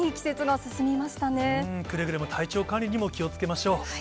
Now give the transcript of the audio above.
くれぐれも体調管理にも気をつけましょう。